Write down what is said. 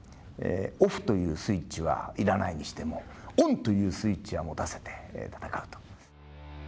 オフといったスイッチはいらないにしても、オンというスイッチは持たせて戦うと。